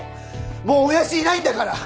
もう親父いないんだから！